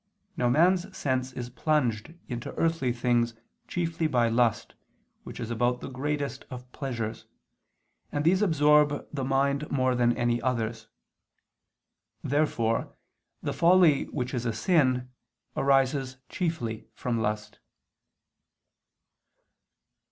Now man's sense is plunged into earthly things chiefly by lust, which is about the greatest of pleasures; and these absorb the mind more than any others. Therefore the folly which is a sin, arises chiefly from lust.